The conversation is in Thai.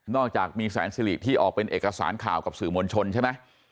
อกจากมีแสนสิริที่ออกเป็นเอกสารข่าวกับสื่อมวลชนใช่ไหม